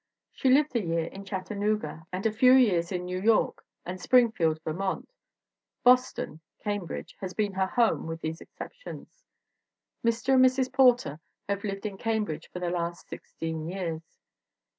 She lived a year in Chattanooga and a few years in New York and Springfield, Ver mont; Boston (Cambridge) has been her home with these exceptions. Mr. and Mrs. Porter have lived in Cambridge for the last sixteen years.